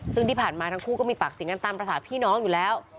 ซึ่งที่ผ่านมาทั้งคู่ก็มีปากเสียงกันตามภาษาพี่น้องอยู่แล้ว